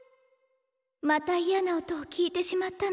また嫌な音を聴いてしまったのね？